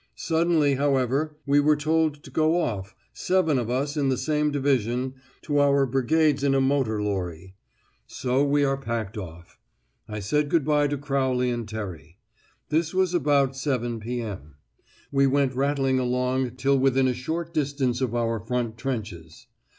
Suddenly, however, we were told to go off seven of us in the same division to our brigades in a motor lorry. So we are packed off. I said good bye to Crowley and Terry. This was about 7 p.m. We went rattling along till within a short distance of our front trenches.